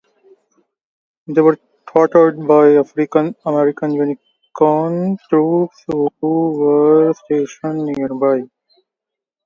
They were thwarted by African-American Union troops who were stationed nearby.